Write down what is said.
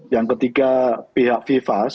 yang ketiga pihak vivas